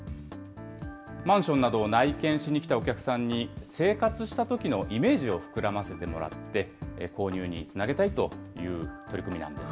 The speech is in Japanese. マンションなどを内見しにきたお客さんに生活したときのイメージを膨らませてもらって、購入につなげたいという取り組みなんです。